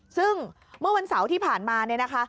ซึ่งเมื่อวันเสาร์ที่ผ่านมาเนี่ยนะคะ